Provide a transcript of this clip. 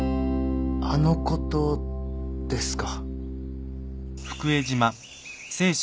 「あのこと」ですか。